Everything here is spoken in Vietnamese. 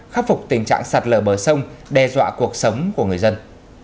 khắc phục tình trạng sạt lở bờ sông đe dọa cuộc sống của người dân